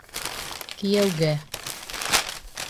Кейәүгә